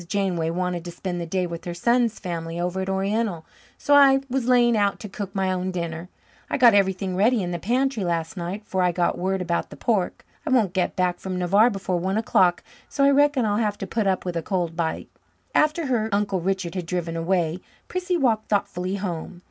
Janeway wanted to spend the day with her son's family over at Oriental, so I was laying out to cook my own dinner. I got everything ready in the pantry last night, 'fore I got word about the pork. I won't get back from Navarre before one o'clock, so I reckon I'll have to put up with a cold bite." After her Uncle Richard had driven away, Prissy walked thoughtfully home.